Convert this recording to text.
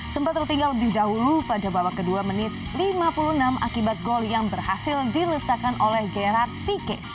sempat tertinggal lebih dahulu pada babak kedua menit lima puluh enam akibat gol yang berhasil dilesakan oleh gerard sike